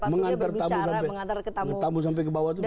mengantar tamu sampai ke bawah itu biasa